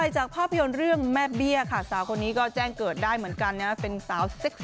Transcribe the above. จากภาพยนตร์เรื่องนี้นะคะ